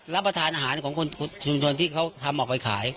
รับประทานอาหารของคนชุมชนที่เขาทำออกไปขาย